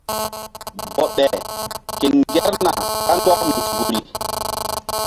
Bɔɓe ke ŋgerna kandɔk nzukri.